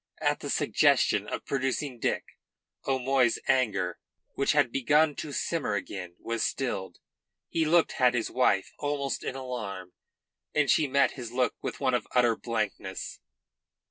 At the suggestion of producing Dick, O'Moy's anger, which had begun to simmer again, was stilled. He looked at his wife almost in alarm, and she met his look with one of utter blankness.